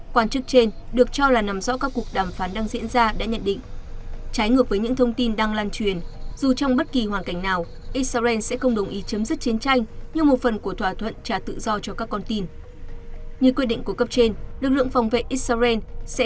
quan chức trên được cho là nằm rõ các cuộc đàm phán đang diễn ra đã nhận định trái ngược với những thông tin đang lan truyền dù trong bất kỳ hoàn cảnh nào israel sẽ không đồng ý chấm dứt chiến tranh như một phần của thỏa thuận tiềm năng nào